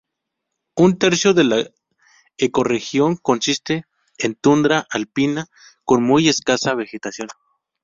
Un tercio de la ecorregión consiste en tundra alpina con muy escasa vegetación.